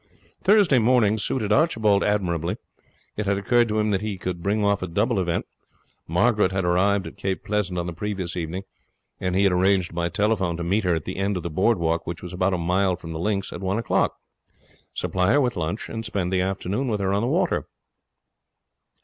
Thursday morning suited Archibald admirably. It had occurred to him that he could bring off a double event. Margaret had arrived at Cape Pleasant on the previous evening, and he had arranged by telephone to meet her at the end of the board walk, which was about a mile from the links, at one o'clock, supply her with lunch, and spend the afternoon with her on the water.